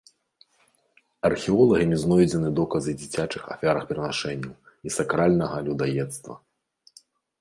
Археолагамі знойдзены доказы дзіцячых ахвярапрынашэнняў і сакральнага людаедства.